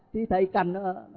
thì thấy cằn